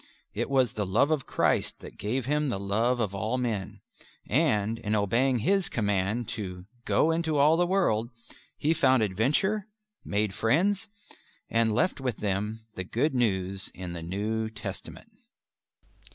It was the love of Christ that gave him the love of all men, and, in obeying His command to "Go into all the world," he found adventure, made friends, and left with them the Good News in the New Testament.